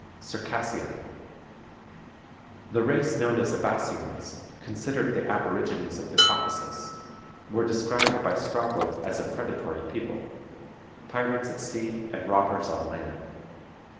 CIRCASSIA. The race known as Abassians, considered the aborigines of the Caucasus, were described by Strabo as a predatory people pirates at sea, and robbers on land.